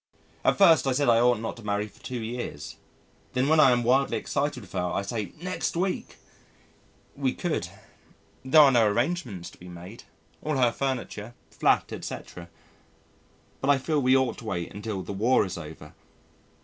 At first I said I ought not to marry for two years. Then when I am wildly excited with her I say "next week." We could. There are no arrangements to be made. All her furniture flat, etc. But I feel we ought to wait until the War is over.